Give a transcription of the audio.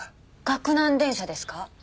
岳南電車ですか？